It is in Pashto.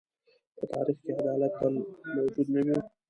په تاریخ کې عدالت تل موجود نه و.